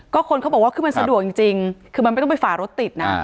ก็คนเขาบอกว่าคือมันสะดวกจริงคือมันไม่ต้องไปฝ่ารถติดนะ